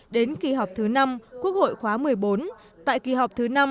đến kỳ họp thứ năm quốc hội khóa một mươi bốn tại kỳ họp thứ năm